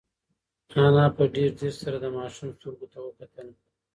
انا په ډېر ځير سره د ماشوم سترګو ته وکتل.